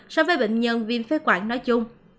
so với bệnh nhân viêm phế quản nói chung